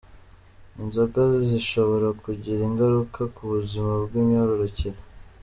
Inzoga zishobora kugira ingararuka ku buzima bw’imyororokere